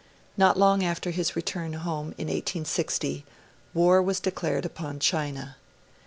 Not long after his return home, in 1860, war was declared upon China.